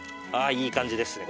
いい感じですね